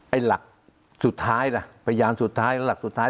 หลักสุดท้ายล่ะพยานสุดท้ายหลักสุดท้าย